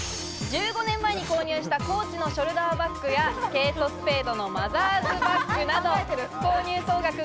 １５年前に購入したコーチのショルダーバッグや、ケイトスペードのマザーズバッグなど、購入総額